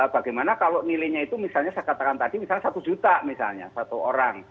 bagaimana kalau nilainya itu misalnya saya katakan tadi misalnya satu juta misalnya satu orang